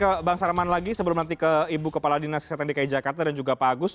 oke bang sarman lagi sebelum nanti ke ibu kepala dinas kesehatan dki jakarta dan juga pak agus